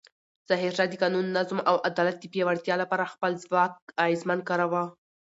ظاهرشاه د قانون، نظم او عدالت د پیاوړتیا لپاره خپل ځواک اغېزمن کاراوه.